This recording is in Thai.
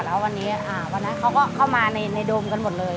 แล้ววันนี้วันนั้นเขาก็เข้ามาในโดมกันหมดเลย